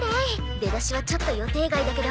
出だしはちょっと予定外だけど。